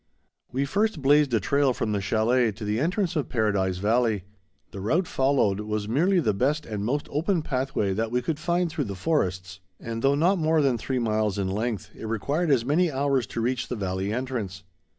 We first blazed a trail from the chalet to the entrance of Paradise Valley. The route followed was merely the best and most open pathway that we could find through the forests, and though not more than three miles in length, it required as many hours to reach the valley entrance.